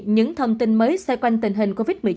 những thông tin mới xoay quanh tình hình covid một mươi chín